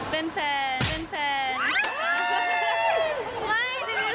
เป็นแฟน